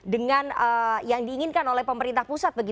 dengan yang diinginkan oleh pemerintah pusat